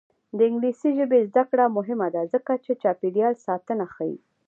د انګلیسي ژبې زده کړه مهمه ده ځکه چې چاپیریال ساتنه ښيي.